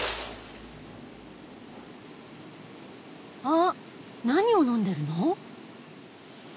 あ何を飲んでるの？